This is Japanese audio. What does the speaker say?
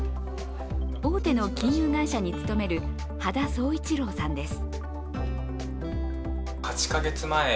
大手の金融会社に務める羽田宗一郎さんです。